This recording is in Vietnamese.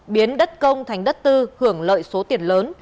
biến đất công thành đất tư hưởng lợi số tiền lớn